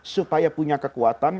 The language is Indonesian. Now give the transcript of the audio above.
supaya punya kekuatan